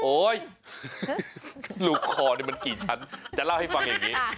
โอ๊ยลูกคอมันกี่ชั้นจะเล่าให้ฟังแบบนี้